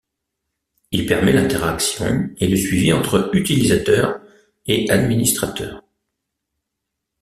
Il permet l'interaction et le suivi entre utilisateurs et administrateurs.